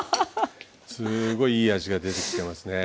すごいいい味が出てきてますね。